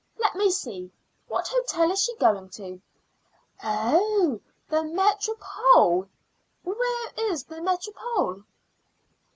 Let me see; what hotel is she going to? Oh, the Métropole. Where is the Métropole?"